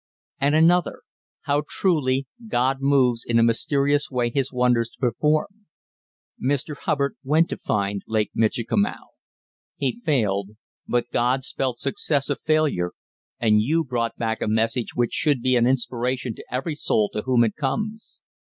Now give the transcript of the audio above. And another, "How truly 'God moves in a mysterious way His wonders to perform.' Mr. Hubbard went to find Lake Michikamau; he failed, but God spelled 'Success' of 'Failure,' and you brought back a message which should be an inspiration to every soul to whom it comes.